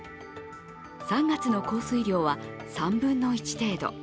３月の降水量は３分の１程度。